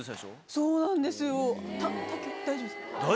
そうなんですよ。